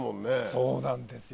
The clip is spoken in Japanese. そうなんですよ。